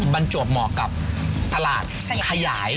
บรรจวบเหมาะกับตลาดขยาย